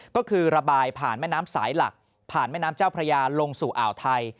ก็คือระบายผ่านแม่น้ำสายหลักผ่านแม่น้ำเจ้าพระยาลงสู่อ่าวไทย